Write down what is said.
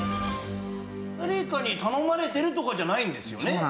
誰かに頼まれてるとかじゃないんですよね？